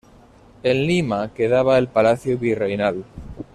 En Lima quedaba el palacio virreinal.